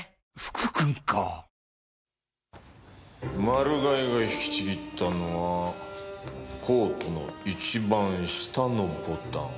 マルガイが引きちぎったのはコートの一番下のボタン。